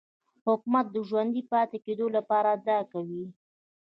حکومت د ژوندي پاتې کېدو لپاره دا کوي.